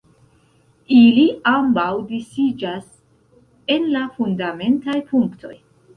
Ili ambaŭ disiĝas en la fundamentaj punktoj.